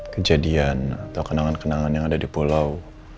kejadian atau kenangan kenangan yang ada di pulau